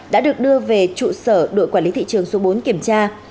đã được đưa về trụ sở đội quản lý thị trường số bốn kiểm tra